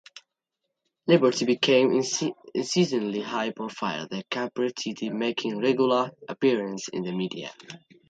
Liberty became increasingly high-profile, with Chakrabarti making regular appearances in the media.